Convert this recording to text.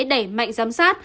đẩy mạnh giám sát